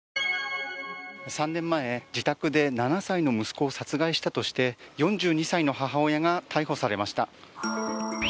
３年前、自宅で７歳の息子を殺害したとして４２歳の母親が逮捕されました。